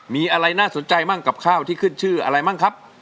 มีอะไรน่าสนใจบ้างกับข้าวที่ขึ้นชื่ออะไรมั่งครับ